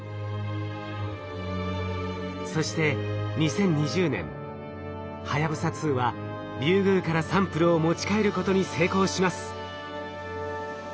そして２０２０年はやぶさ２はリュウグウからサンプルを持ち帰ることに成功します。